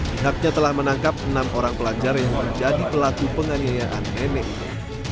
pihaknya telah menangkap enam orang pelajar yang menjadi pelaku penganiayaan nenek itu